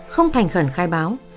không thành khẩn khai báo